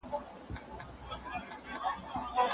په لومړۍ شپه وو خپل خدای ته ژړېدلی